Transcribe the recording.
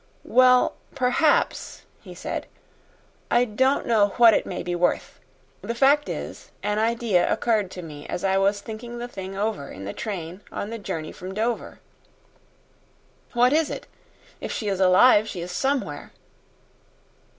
"Well, perhaps," he said. "I don't know what it may be worth. The fact is, an idea occurred to me as I was thinking the thing over in the train on the journey from Dover." "What was it? If she is alive, she is somewhere."